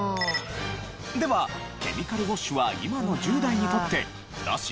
ではケミカルウォッシュは今の１０代にとってナシ？